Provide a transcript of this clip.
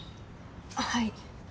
はい。